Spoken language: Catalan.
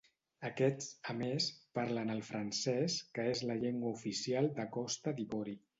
Aquests, a més, parlen el francès, que és la llengua oficial de Costa d'Ivori.